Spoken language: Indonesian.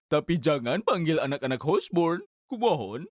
tapi jangan panggil anak anak horseborn kubohon